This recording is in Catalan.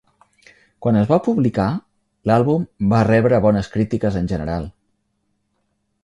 Quan es va publicar, l'àlbum va rebre bones crítiques en general.